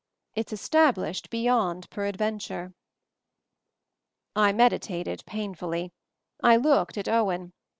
It's established beyond peradven ture." I meditated, painfully. I looked at Owen.